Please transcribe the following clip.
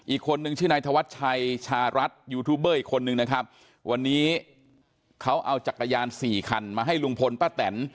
อีกคนนึงชื่อนายธวัชชัยชารัฐยูทูบเบอร์อีกคนนึงนะครับวันนี้เขาเอาจักรยานสี่คันมาให้ลุงพลป้าแตน